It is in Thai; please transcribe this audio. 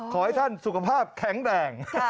ขอให้ท่านสุขภาพแข็งแรง